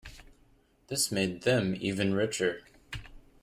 This made them even richer.